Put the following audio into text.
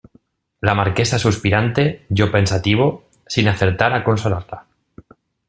la Marquesa suspirante, yo pensativo , sin acertar a consolarla.